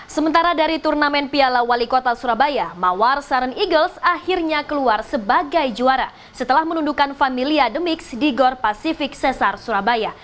sementara dari turnamen piala wali kota surabaya mawar sarren eagles akhirnya keluar sebagai juara setelah menundukan familia the mix di gor pasifik sesar surabaya